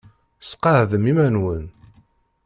Sqeɛdem iman-nwen.